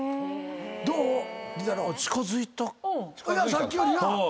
さっきよりな。